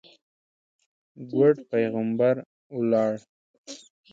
ګوډ پېغمبر ولاړ.